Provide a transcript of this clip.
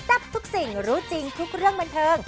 ทับทุกสิ่งรู้จริงทุกเรื่องบันเทิง